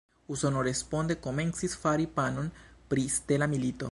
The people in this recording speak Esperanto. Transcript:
Usono responde komencis fari planon pri "stela milito".